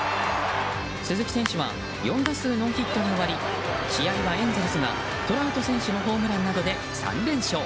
鈴木選手は４打数ノーヒットに終わり試合はエンゼルスがトラウト選手のホームランなどで３連勝。